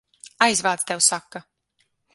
Aizvāc, tev saka!